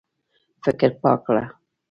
فکر پاک کړه.